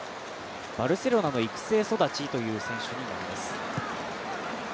バルセロナの育成育ちという選手になります。